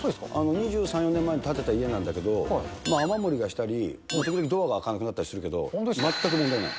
２３、４年前に建てた家なんだけど、雨漏りがしたり、時々ドアが開かなくなったりするけど、全く問題ない。